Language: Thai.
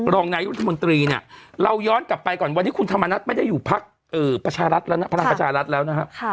รองนายุทธมนตรีเนี่ยเราย้อนกลับไปก่อนวันนี้คุณธรรมนัฐไม่ได้อยู่พักประชารัฐแล้วนะพลังประชารัฐแล้วนะครับ